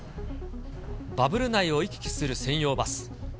バブル内を行き来する専用バス。